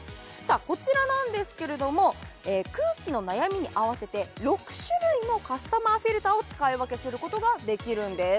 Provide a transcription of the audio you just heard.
こちらなんですけれども空気の悩みに合わせて６種類のカスタムフィルターを使い分けすることができるんです